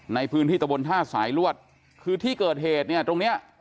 ในพื้นที่ตะบนท่าสายลวดคือที่เกิดเหตุเนี่ยตรงเนี้ย